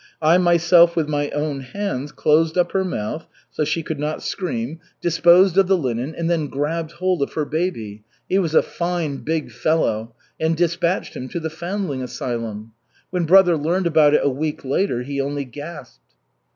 I myself with my own hands closed up her mouth, so she could not scream, disposed of the linen, and then grabbed hold of her baby he was a fine, big fellow and dispatched him to the foundling asylum. When brother learned about it a week later he only gasped."